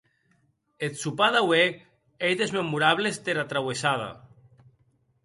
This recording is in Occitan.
Eth sopar d'aué ei des memorables dera trauessada.